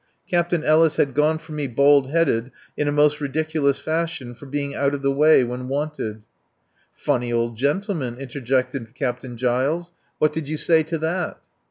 Captain Ellis had gone for me bald headed in a most ridiculous fashion for being out of the way when wanted. "Funny old gentleman," interjected Captain Giles. "What did you say to that?"